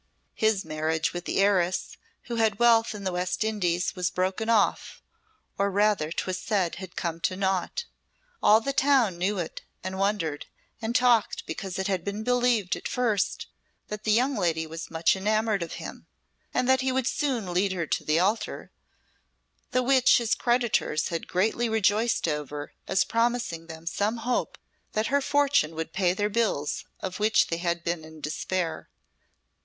His marriage with the heiress who had wealth in the West Indies was broken off, or rather 'twas said had come to naught. All the town knew it, and wondered, and talked, because it had been believed at first that the young lady was much enamoured of him, and that he would soon lead her to the altar, the which his creditors had greatly rejoiced over as promising them some hope that her fortune would pay their bills of which they had been in despair.